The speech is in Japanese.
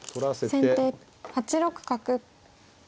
先手８六角。